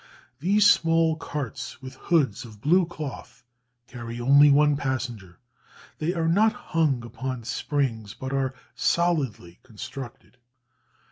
These small carts, with hoods of blue cloth, carry only one passenger; they are not hung upon springs, but are solidly constructed.